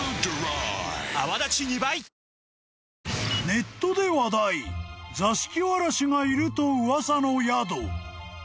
［ネットで話題座敷わらしがいると噂の宿］